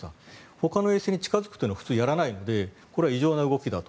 ほかの衛星に近付くというのは普通やらないのでこれは異常な動きだと。